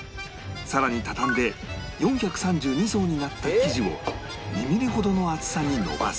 さらに畳んで４３２層になった生地を２ミリほどの厚さに延ばす